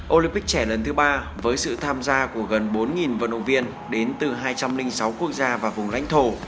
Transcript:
olympic trẻ lần thứ ba với sự tham gia của gần bốn vận động viên đến từ hai trăm linh sáu quốc gia và vùng lãnh thổ